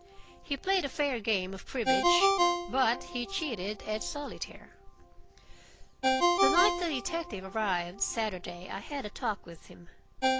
He played a fair game of cribbage, but he cheated at solitaire. The night the detective arrived, Saturday, I had a talk with him.